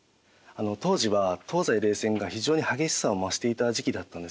当時は東西冷戦が非常に激しさを増していた時期だったんですよね。